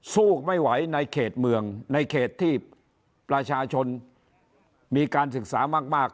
สู้ไม่ไหวในเขตเมืองในเขตที่ประชาชนมีการศึกษามาก